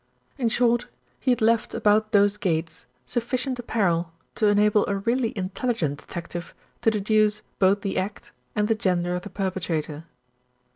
In short, he had left about those gates sufficient apparel to enable a really intelligent detective to de duce both the act and the gender of the perpetrator.